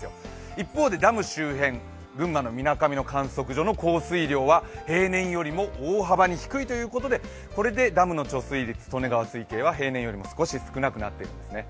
一方でダム周辺、群馬のみなかみでは平年よりも大幅に低いということで、これでダムの貯水率、利根川水系は平年よりも少し少なくなっているんですね。